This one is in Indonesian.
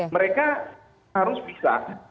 mereka harus bisa